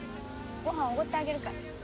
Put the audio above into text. ご飯おごってあげるから。